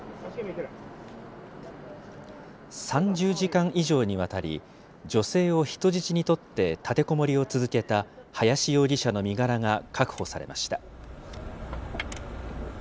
３０時間以上にわたり、女性を人質に取って立てこもりを続けた林容疑者の身柄が確保されました。